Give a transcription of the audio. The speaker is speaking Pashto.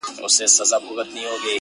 لکه باران را اورېدلې پاتېدلې به نه ,